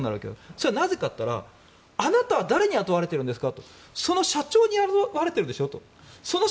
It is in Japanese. それはなぜかといったらあなたは誰に雇われているのか社長に雇われているんでしょ。